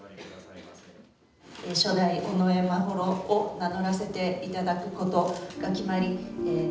初代尾上眞秀を名乗らせていただくことが決まり。